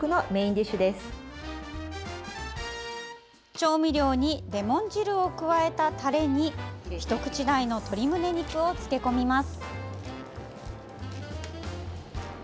調味料にレモン汁を加えたタレに一口大の鶏むね肉を漬け込みます。